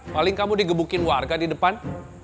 paling kamu digebukin warga di depan